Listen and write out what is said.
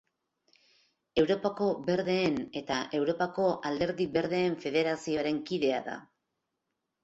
Europako Berdeen eta Europako Alderdi Berdeen Federazioaren kidea da.